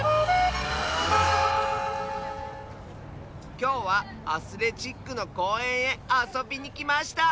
きょうはアスレチックのこうえんへあそびにきました！